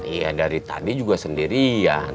ya dari tadi juga sendirian